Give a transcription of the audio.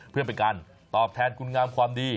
เพื่อเป็นการตอบแทนคุณงามความดี